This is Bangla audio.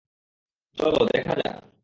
চলো দেখা যাক।